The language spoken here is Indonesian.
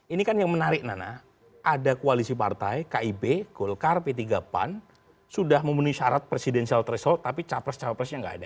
ini kan yang menarik nana ada koalisi partai kib golkar p tiga pan sudah memenuhi syarat presidensial threshold tapi capres capresnya tidak ada